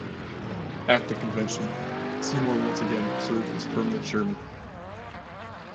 At the convention, Seymour once again served as permanent chairman.